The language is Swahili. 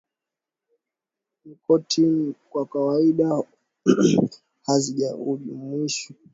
nikotini kwa kawaida hazijumuishwi